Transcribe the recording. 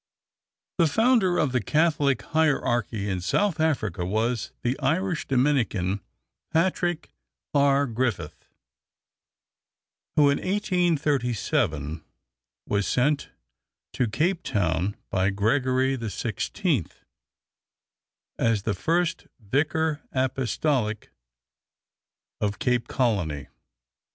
The founder of the Catholic hierarchy in South Africa was the Irish Dominican, Patrick R. Griffith, who, in 1837, was sent to Cape Town by Gregory XVI. as the first Vicar Apostolic of Cape Colony.